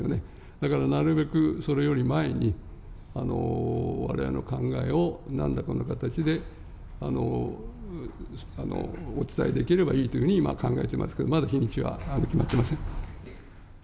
だからなるべく、それより前に、われわれの考えをなんらかの形でお伝えできればいいというふうに今、考えていますけど、まだ日にちは決まっていません。